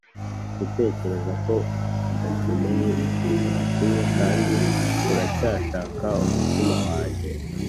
gutekereza ko udakeneye ikintu na kimwe kandi uracyashaka umutima wanjye